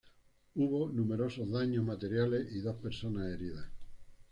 Hubo numerosos daños materiales y dos personas heridas.